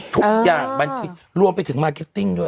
ทุกอย่างบัญชีรวมไปถึงมาร์เก็ตติ้งด้วย